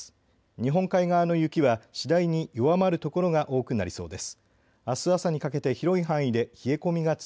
日本海側の雪は次第に弱まる所が多くなりそうです。